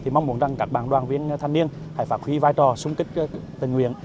mong muốn các đoàn viên thanh niên phải phát huy vai trò xung kích tỉnh nguyện